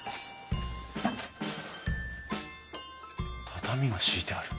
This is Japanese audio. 畳が敷いてある。